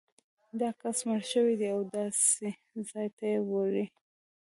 دا کس مړ شوی دی او داسې ځای ته یې وړي.